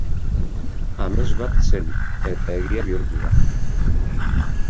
Amets bat zen, eta egia bihurtu da.